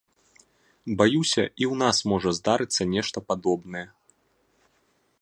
Баюся, і ў нас можа здарыцца нешта падобнае.